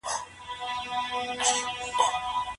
د غوره سیستم لپاره ډېره ترکاري وخورئ.